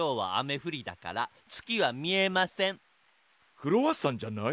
クロワッサンじゃない？